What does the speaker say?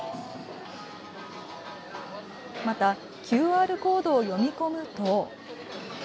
またＱＲコードを読み込むと。